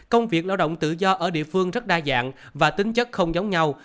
công việc lao động tự do ở địa phương rất đa dạng và tính chất không giống nhau